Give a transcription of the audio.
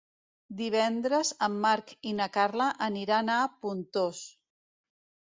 Divendres en Marc i na Carla aniran a Pontós.